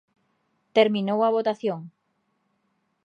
Terminou a votación.